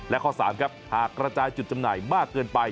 และข้อ๓ครับหากกระจายจุดจำหน่ายมากเกินไป